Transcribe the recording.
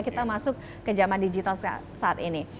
kita masuk ke zaman digital saat ini